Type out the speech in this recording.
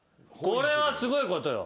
これはすごいことよ。